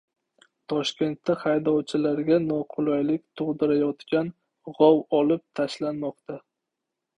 Toshkentda haydovchilarga noqulaylik tug‘dirayotgan "g‘ov" olib tashlanmoqda